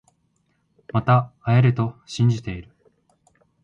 また会えると信じてる